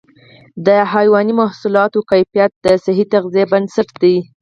د حيواني محصولاتو کیفیت د صحي تغذیې بنسټ دی.